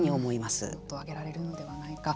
もっと上げられるのではないか。